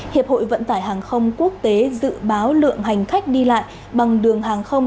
hiệp hội vận tải hàng không quốc tế dự báo lượng hành khách đi lại bằng đường hàng không